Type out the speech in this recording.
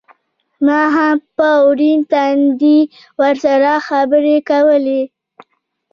ما هم په ورين تندي ورسره خبرې کولې.